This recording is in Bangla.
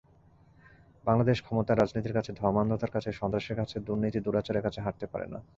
বাংলাদেশ ক্ষমতার রাজনীতির কাছে, ধর্মান্ধতার কাছে, সন্ত্রাসের কাছে, দুর্নীতি-দুরাচারের কাছে হারতে পারে না।